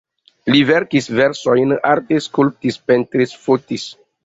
Li verkis versojn, arte skulptis, pentris, fotis.